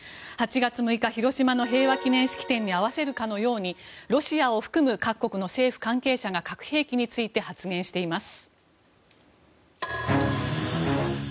８月６日、広島の平和記念式典に合わせるかのようにロシアを含む各国の政府関係者が核兵器について発言しています。